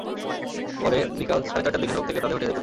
পরে বিকেল সাড়ে চারটার দিকে সড়ক থেকে তাদের হঠিয়ে দেয় পুলিশ।